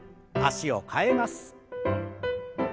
脚を替えます。